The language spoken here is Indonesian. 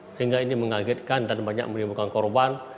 sehingga ini mengagetkan dan banyak menimbulkan korban